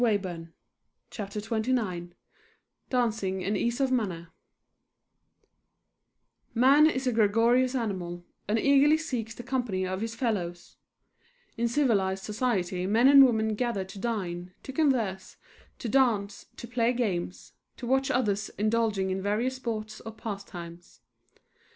[Illustration: NW] DANCING AND EASE OF MANNER Man is a gregarious animal, and eagerly seeks the company of his fellows. In civilized society men and women gathered to dine, to converse, to dance, to play games, to watch others indulging in various sports or pastimes.